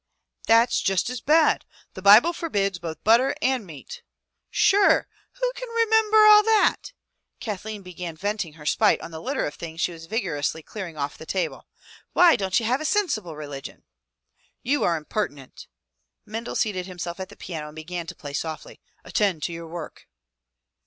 "That's just as bad. The Bible forbids both butter and meat —'' "Sure! who can rimimber all that?" Kathleen began venting her spite on the litter of things she was vigorously clearing off the table. "Why don't ye have a sinsible religion?" "You are impertinent!" Mendel seated himself at the piano and began to play softly. "Attend to your work."